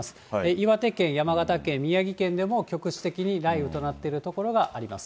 岩手県、山形県、宮城県でも局地的に雷雨となっている所があります。